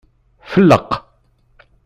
Felleq.